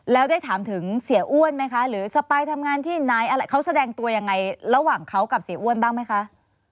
แล้วได้ถามถึงเสียอ้วนไหมคะหรือสปายทำงานที่ไหนอะไรเขาแสดงตัวยังไงระหว่างเขากับเสียอ้วนบ้างไหมคะ